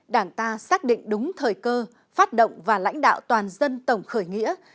đảng ta xác định đúng thời cơ phát động và lãnh đạo toàn dân tổng khởi nghĩa